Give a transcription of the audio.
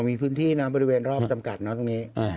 มีพื้นที่นะบริเวณรอบจำกัดนะตรงนี้